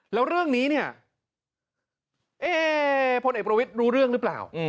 แล้วเรื่องนี้เนี่ยเอ๊พลเอกประวิทย์รู้เรื่องหรือเปล่า